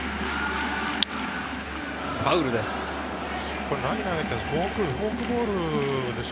ファウルです。